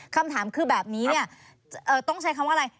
คำถามคือแบบนี้เนี่ยต้องใช้คำว่าอะไร